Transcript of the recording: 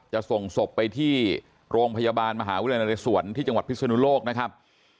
จะส่งศพไปที่โรงพยาบาลมหาวิทยาลัยนเรศวรที่จังหวัดพิศนุโลกนะครับ